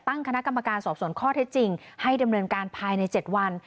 ตั้งคณะกรรมการสอบส่วนข้อเท็จจริงให้ดำเนินการภายใน๗วัน